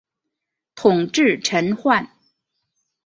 统制陈宧。